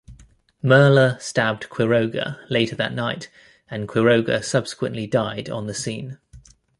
Merla stabbed Quiroga later that night and Quiroga subsequently died on the scene.